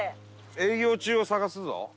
営業中を探すぞ！